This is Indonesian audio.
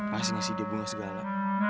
masih ngasih dia bunga segala